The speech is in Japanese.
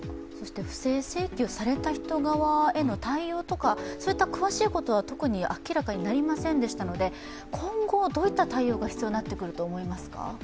不正請求された人側への対応とか、そういった詳しいことは特に明らかになりませんでしたので、今後どういった対応が必要になってくると思いますか。